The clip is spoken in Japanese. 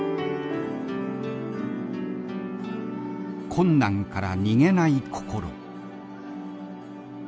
困難から逃げない心。